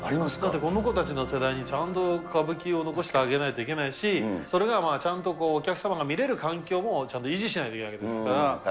だってこの子たちの世代に、ちゃんと歌舞伎を残してあげないといけないし、それがちゃんとお客様が見れる環境をちゃんと維持しないといけないわけですから。